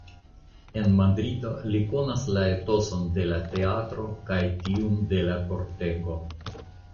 En Madrido li konas la etoson de la teatro kaj tiun de la kortego.